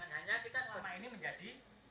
hanya kita selama ini menjadi